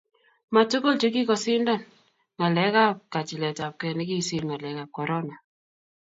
ma tugul che kikosindan ngalek ab kachilet ab gee ne kisir ngalek ab korona